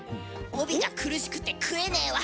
帯が苦しくて食えねえわ